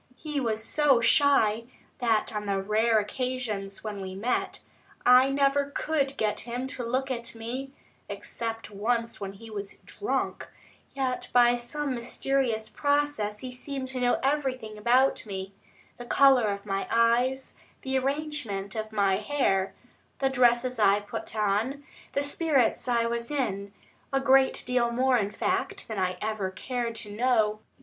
He was so shy, that on the rare occasions when we met, I never could get him to look at me, except once when he was drunk; yet by some mysterious process he seemed to know everything about me the colour of my eyes, the arrangement of my hair, the dresses I put on, the spirits I was in a great deal more, in fact, than I ever cared to know.